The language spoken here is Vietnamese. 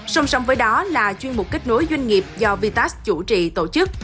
song song với đó là chuyên mục kết nối doanh nghiệp do vitas chủ trì tổ chức